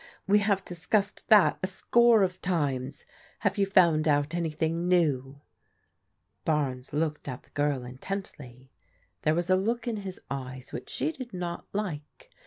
We have discussed that a score of times. Have you found out anything new ?" Barnes looked at the girl intently. There was a look in his eyes which she did not like.